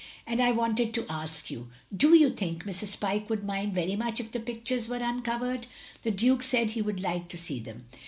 And I wanted to ask you — do you think Mrs. Pyke would mind very much if the pictures were uncovered? The Duke said he would like to see them.